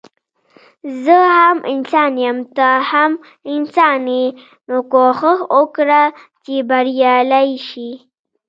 زه هم انسان يم ته هم انسان يي نو کوښښ وکړه چي بريالی شي